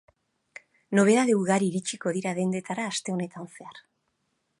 Nobedade ugari iritsiko dira dendetara aste honetan zehar.